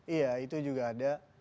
iya itu juga ada